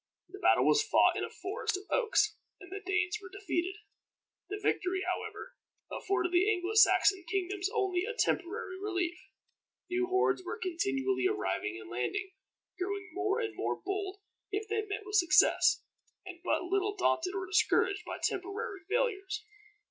The battle was fought in a forest of oaks, and the Danes were defeated. The victory, however, afforded the Anglo Saxon kingdoms only a temporary relief. New hordes were continually arriving and landing, growing more and more bold if they met with success, and but little daunted or discouraged by temporary failures.